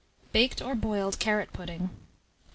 BAKED OR BOILED CARROT PUDDING. 1259.